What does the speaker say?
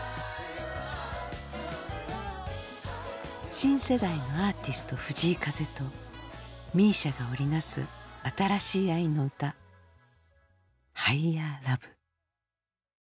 新世代のアーティスト藤井風とＭＩＳＩＡが織り成す新しい愛のうた「ＨｉｇｈｅｒＬｏｖｅ」。